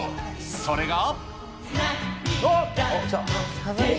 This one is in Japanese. それが。